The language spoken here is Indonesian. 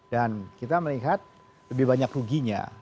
dan kita melihat lebih banyak ruginya